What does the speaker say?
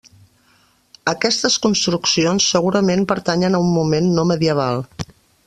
Aquestes construccions segurament pertanyen a un moment no medieval.